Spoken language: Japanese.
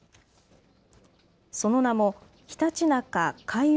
その名もひたちなか開運